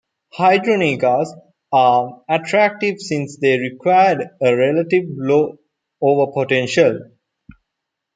Hydrogenases are attractive since they require a relatively low overpotential.